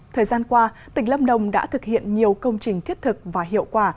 thời gian qua tỉnh lâm đồng đã thực hiện nhiều công trình thiết thực và hiệu quả